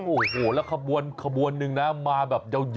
โอ้โหแล้วขบวนนึงนะมาแบบยาว